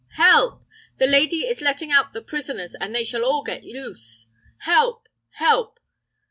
help! The lady is letting out the prisoners, and they shall all get loose! Help! help!"